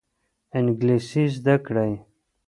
انګلیسي زده کړئ.